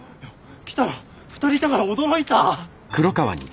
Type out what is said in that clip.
来たら２人いたから驚いた。